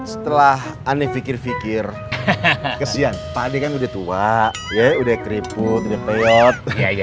setelah aneh pikir kesian pak ade kan udah tua udah keriput udah peyot